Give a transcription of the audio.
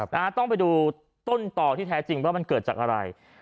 นะฮะต้องไปดูต้นต่อที่แท้จริงว่ามันเกิดจากอะไร